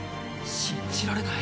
信じられない。